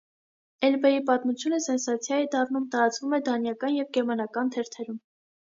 Էլբեի պատմությունը սենսացիա է դառնում, տարածվում է դանիական և գերմանական թերթերում։